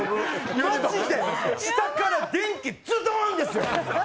マジで、下から電気、ズドーン！ですよ。